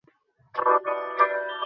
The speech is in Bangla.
একটা গোলমাল আরম্ভ হইয়া গেল।